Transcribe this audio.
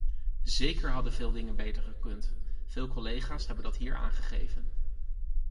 Zeker hadden veel dingen beter gekund; veel collega’s hebben dat hier aangegeven.